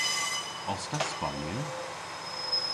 Os ta Spaynyer?